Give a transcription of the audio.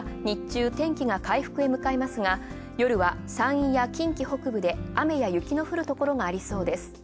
日中天気が回復へ向かいますが、夜は山陰や近畿北部で雨や雪の降るところがあります。